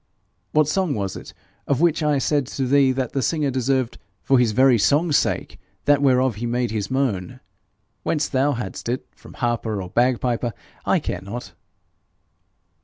'What song was it of which I said to thee that the singer deserved, for his very song's sake, that whereof he made his moan? Whence thou hadst it, from harper or bagpiper, I care not.'